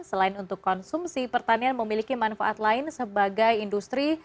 selain untuk konsumsi pertanian memiliki manfaat lain sebagai industri